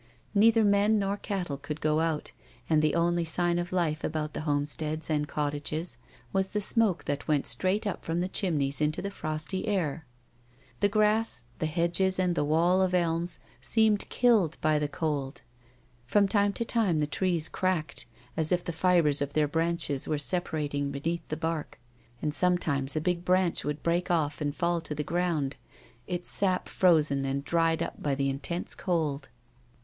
Neither men nor cattle could go out, and the only sign of life about the homesteads and cottages was the smoke that went straight up from the chimueys into the frosty air. The grass, the hedges and the wall of elms seemed killed by the cold. From time to time the trees cracked, as if the fibres of their branches were separating beneath the bark, and sometimes a big branch would break off and fall to the ground, its sap frozen and dried up by the intense cold.